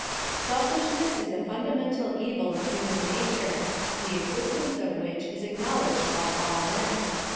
Selfishness is a fundamental evil of human na ture, the existence of which is acknowledged by all men.